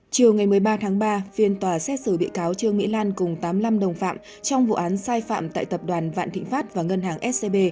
chiều ngày một mươi ba tháng ba phiên tòa xét xử bị cáo trương mỹ lan cùng tám mươi năm đồng phạm trong vụ án sai phạm tại tập đoàn vạn thịnh pháp và ngân hàng scb